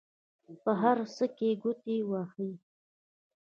په هر څه کې ګوتې وهي.